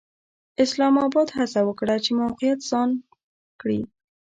اسلام اباد هڅه وکړه چې موقعیت ځان کړي.